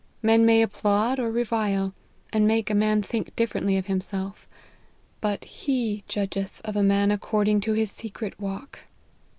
Men may ap plaud or revile, and make a man think differently of himself; but He judgeth of a man according to his secret walk.